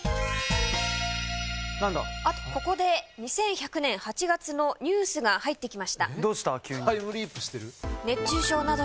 あっとここで２１００年８月のニュースが入ってきました。